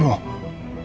lo gak pekat lo